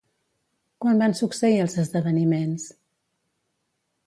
Quan van succeir els esdeveniments?